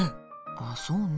あっそうね。